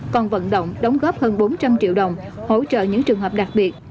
còn vận động đóng góp hơn bốn trăm linh triệu đồng hỗ trợ những trường hợp đặc biệt